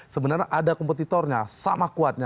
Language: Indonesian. sebenarnya ada kompetitornya sama kuatnya